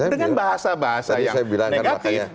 dengan bahasa bahasa yang negatif